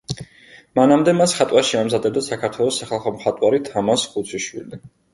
მანამდე, მას ხატვაში ამზადებდა საქართველოს სახალხო მხატვარი თამაზ ხუციშვილი.